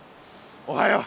おはよう！